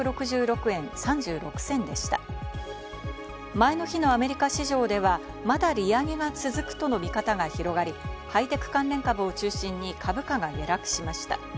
前の日のアメリカ市場では、まだ利上げが続くとの見方が広がり、ハイテク関連株を中心に株価が下落しました。